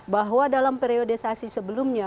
bahwa dalam periodisasi sebelumnya